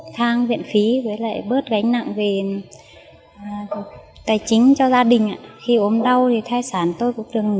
tham gia bảo hiểm xã hội